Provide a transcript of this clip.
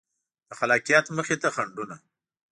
د خلاقیت مخې ته خنډونه